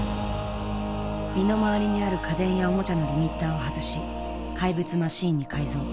身の回りにある家電やおもちゃのリミッターを外し怪物マシンに改造。